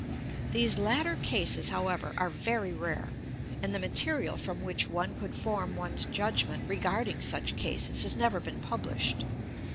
These latter cases, however, are very rare, and the material from which one could form one's judgment regarding such cases has never been published.